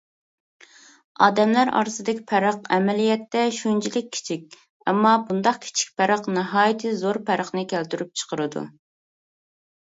ئادەملەر ئارىسىدىكى پەرق ئەمەلىيەتتە شۇنچىلىك كىچىك، ئەمما بۇنداق كىچىك پەرق ناھايىتى زور پەرقنى كەلتۈرۈپ چىقىرىدۇ!